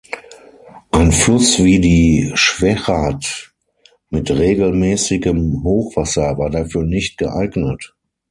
Ein Fluss wie die Schwechat, mit regelmäßigem Hochwasser, war dafür nicht geeignet.